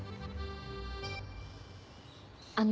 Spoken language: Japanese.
あの。